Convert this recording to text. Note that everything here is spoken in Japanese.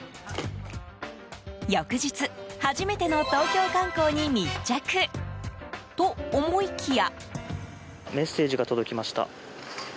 翌日、初めての東京観光に密着！と、思いきや。